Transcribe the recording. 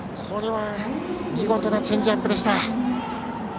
見事なチェンジアップでした。